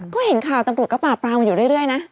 ก็เห็นข่าวตำรุกกระป่าวมันอยู่เรื่อยนะ